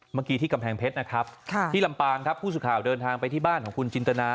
เมื่อกี้ที่กำแพงเพชรนะครับที่ลำปางครับผู้สื่อข่าวเดินทางไปที่บ้านของคุณจินตนา